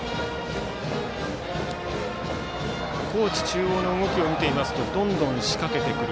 高知中央の動きを見ていますとどんどん仕掛けてくる。